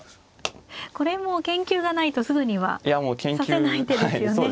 これも研究がないとすぐには指せない手ですよね。